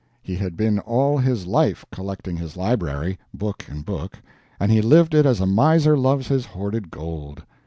He had been all his life collecting his library, book and book, and he lived it as a miser loves his hoarded gold.